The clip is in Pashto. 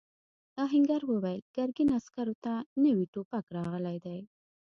آهنګر وویل ګرګین عسکرو ته نوي ټوپک راغلی دی.